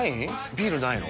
ビールないの？